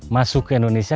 masuk ke indonesia